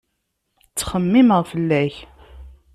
Ttxemmimeɣ fell-ak.